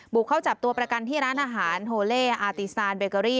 กเข้าจับตัวประกันที่ร้านอาหารโฮเล่อาติซานเบเกอรี่